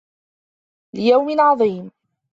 لِيَومٍ عَظيمٍ